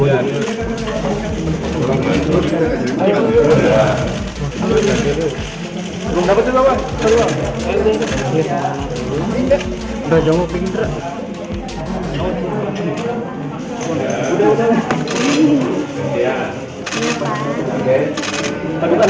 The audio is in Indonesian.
udah jauh pergi